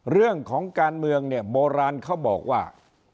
เรื่องของการเมืองเนี่ยโบราณเขาบอกว่า